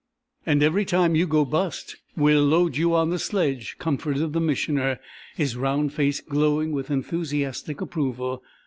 "And every time you go bust we'll load you on the sledge," comforted the Missioner, his round face glowing with enthusiastic approval.